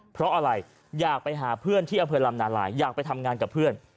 เพราะอะไรอยากไปหาเพื่อนที่อำเภอลำนาลายอยากไปทำงานกับเพื่อน